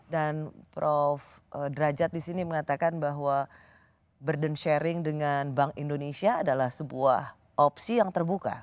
dan prof derajat disini mengatakan bahwa burden sharing dengan bank indonesia adalah sebuah opsi yang terbuka